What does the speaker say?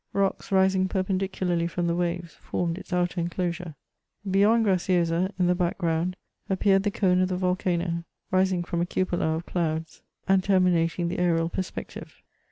Rocks rising perpendicularly from the waves formed its outer enclosure. Beyond Graciosa, in the background, appeared the cone of the volcano, rising from a cupola of clouds, and terminating the atrial perspecdve.